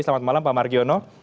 selamat malam pak margiono